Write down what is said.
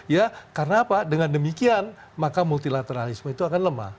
ya karena apa dengan demikian maka multilateralisme itu akan lemah